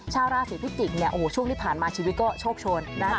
ชาวราศีพิจิกษ์เนี่ยโอ้โหช่วงที่ผ่านมาชีวิตก็โชคโชนนะ